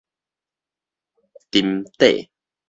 沈底